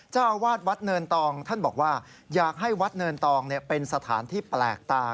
เจ้าอาวาสวัดเนินตองท่านบอกว่าอยากให้วัดเนินตองเป็นสถานที่แปลกตา